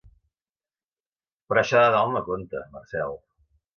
Però això de dalt no compta, Marcel.